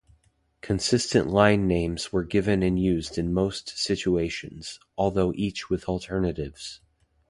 Consistent line names were given and used in most situations, although each with alternatives.